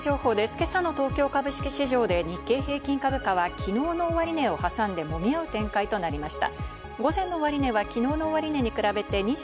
今朝の東京株式市場で日経平均株価はきのうの終値を挟んでもみ合う展開となりました。